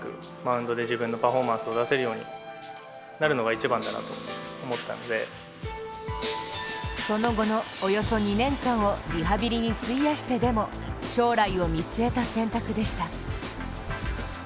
当時の経緯について、大谷はその後のおよそ２年間をリハビリに費やしてでも将来を見据えた選択でした。